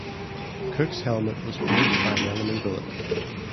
Cook's helmet was pierced by an enemy bullet.